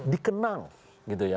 dikenang gitu ya